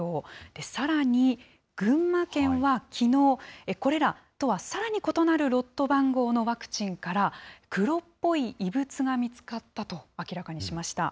さらに群馬県はきのう、これらとはさらに異なるロット番号のワクチンから、黒っぽい異物が見つかったと明らかにしました。